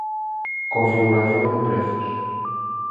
Configuración de prezos.